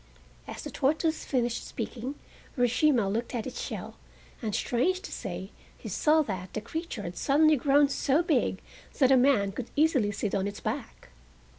As the tortoise finished speaking, Urashima looked at its shell, and strange to say he saw that the creature had suddenly grown so big that a man could easily sit on its back.